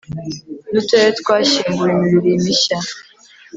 n uturere twashyinguye imibiri mishya